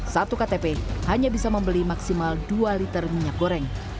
satu ktp hanya bisa membeli maksimal dua liter minyak goreng